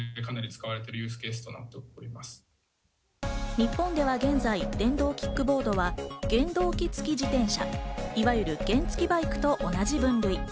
日本では現在、電動キックボードは原動機付自転車、いわゆる原付バイクと同じ分類。